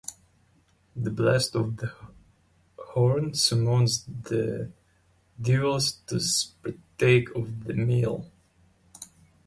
The blast of a horn summons the devils to partake of the meal.